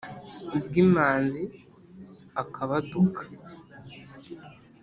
Ubwo Imanzi akabaduka